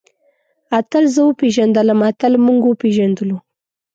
اتل زه وپېژندلم. اتل موږ وپېژندلو.